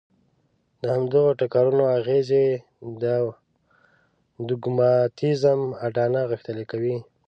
د همدغو ټکرونو اغېزې د دوګماتېزم اډانه غښتلې کوي.